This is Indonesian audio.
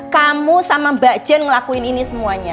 kamu sama mbak jen ngelakuin ini semuanya